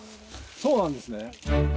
そうなんですね。